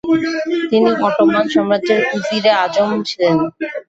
তিনি অটোমান সাম্রাজ্যের উজিরে আজম ছিলেন।